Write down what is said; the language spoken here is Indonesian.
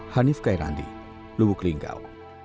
hanif kairandi lubuk linggau